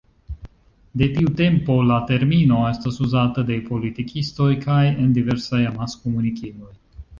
De tiu tempo la termino estas uzata de politikistoj kaj en diversaj amaskomunikiloj.